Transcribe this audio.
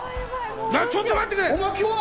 ちょっと待ってくれ！